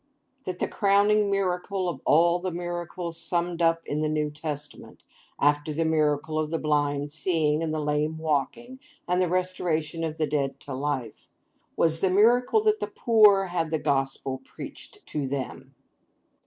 That the crowning miracle of all the miracles summed up in the New Testament, after the miracle of the blind seeing, and the lame walking, and the restoration of the dead to life, was the miracle that the poor had the Gospel preached to them.